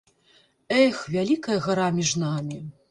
Эх, вялікая гара між намі.